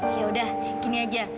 yaudah gini aja